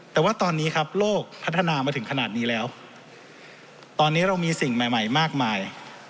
แต่ว่าตอนนี้ครับโลกพัฒนามาถึงขนาดนี้แล้วตอนนี้เรามีสิ่งใหม่ใหม่มากมาย